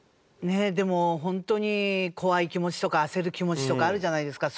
でもホントに怖い気持ちとか焦る気持ちとかあるじゃないですか。